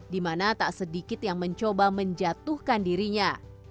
dimana tak sedikit yang mencoba menjatuhkan dirinya